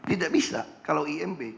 tidak bisa kalau imb